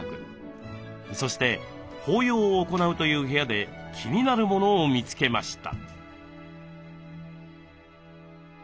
そして法要を行うという部屋で気になるものを見つけました。